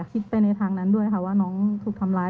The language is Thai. คิดไปในทางนั้นด้วยค่ะว่าน้องถูกทำร้าย